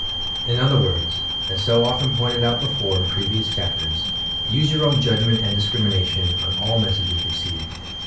In other words, as 80 often pointed out before, in previous chapters, — use your own Judgment and discrimination on all messages received.